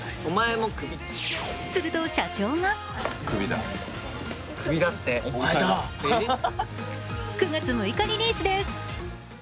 すると社長が９月６日リリースです。